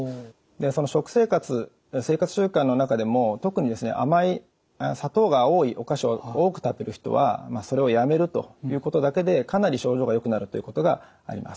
その食生活生活習慣の中でも特に甘い砂糖が多いお菓子を多く食べる人はそれをやめるということだけでかなり症状がよくなるということがあります。